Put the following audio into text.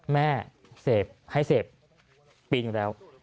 แม่เสพให้เสพปีหนึ่งแล้ว